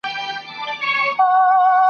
بد بوټي ته سپي هم بولي نه کوي !.